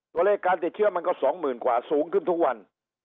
ตัวเลขการติดเชื้อมันก็๒๐๐๐กว่าสูงขึ้นทุกวัน